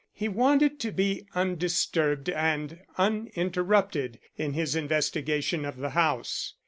He wanted to be undisturbed and uninterrupted in his investigation of the house.